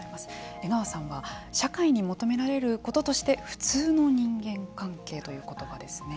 江川さんは社会に求められることとして普通の人間関係という言葉ですね。